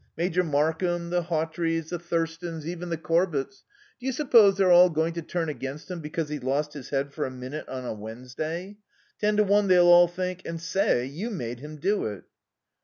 Major Markham, the Hawtreys, the Thurstons, even the Corbetts, do you suppose they're all going to turn against him because he lost his head for a minute on a Wednesday? Ten to one they'll all think, and say, you made him do it."